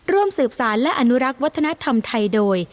ร่วมสืบสารและอนุรักษ์วัฒนธรรมไทยโดย